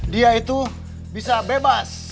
dia itu bisa bebas